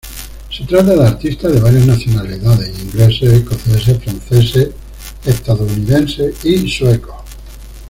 Se trata de artistas de varias nacionalidades: ingleses, escoceses, franceses, estadounidenses y suecos.